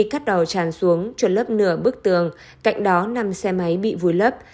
cát đỏ tràn xuống chuột lấp nửa bức tường cạnh đó năm xe máy bị vùi lấp